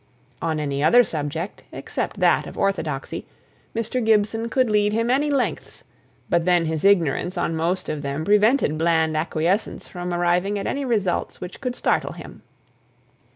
On any other subject, except that of orthodoxy, Mr. Gibson could lead him any lengths; but then his ignorance on most of them prevented bland acquiescence from arriving at any results which could startle him.